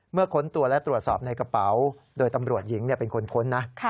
ค้นตัวและตรวจสอบในกระเป๋าโดยตำรวจหญิงเป็นคนค้นนะ